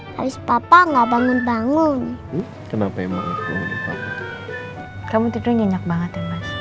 habis papa enggak bangun bangun kenapa emang kamu tidur nyenyak banget